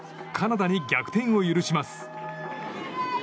カナダに逆転を許します。